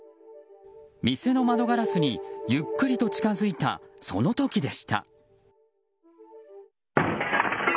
店の窓ガラスにゆっくりと近づいたその時でした。